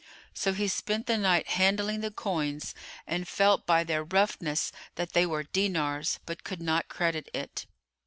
So he spent the night handling the coins and felt by their roughness that they were dinars, but could not credit it.